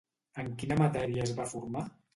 En quina matèria es va formar?